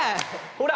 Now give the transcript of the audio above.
ほら。